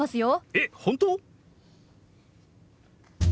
えっ本当？